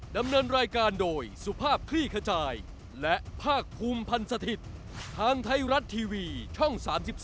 ดำเนินรายการโดยสุภาพคลี่ขจายและภาคภูมิพันธ์สถิตย์ทางไทยรัฐทีวีช่อง๓๒